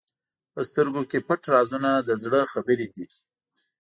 په سترګو کې پټ رازونه د زړه خبرې دي.